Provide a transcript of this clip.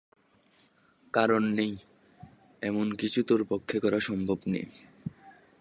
কারণ নেই, এমন কিছু তোর পক্ষে করা সম্ভব নয়।